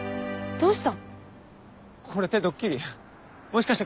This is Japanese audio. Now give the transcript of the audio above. どうした？